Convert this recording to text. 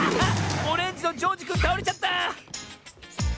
オレンジのジョージくんたおれちゃった！